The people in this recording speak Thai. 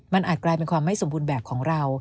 มันอาจกลายเป็นความไม่สมบูรณ์แบบของเรา